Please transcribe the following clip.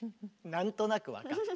何となく分かった？